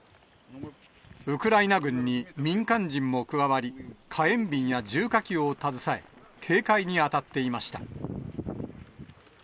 ウクライナ軍に民間人も加わり、火炎瓶や重火器を携え、警戒に当たっていました。